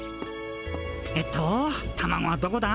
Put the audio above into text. えっとタマゴはどこだ？